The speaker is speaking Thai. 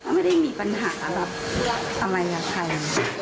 ไม่ได้มีปัญหาแบบอะไรกับใคร